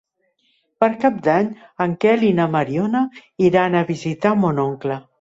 Per Cap d'Any en Quel i na Mariona iran a visitar mon oncle.